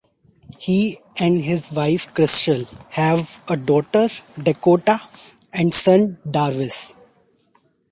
He and his wife Crystal have a daughter, Dakota, and son, Darvis.